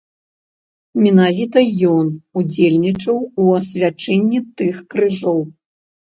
Менавіта ён удзельнічаў у асвячэнні тых крыжоў.